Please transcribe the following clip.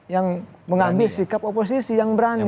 yang mengambil sikap oposisi yang berani